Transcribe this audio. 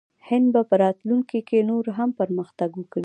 هند به په راتلونکي کې نور هم پرمختګ وکړي.